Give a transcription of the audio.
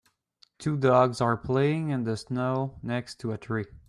Two dogs are playing in the snow next to a tree.